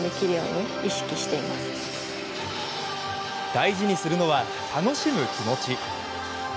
大事にするのは楽しむ気持ち。